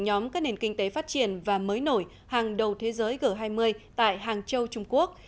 nhóm các nền kinh tế phát triển và mới nổi hàng đầu thế giới g hai mươi tại hàng châu trung quốc